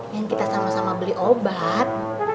yang kita sama sama beli obat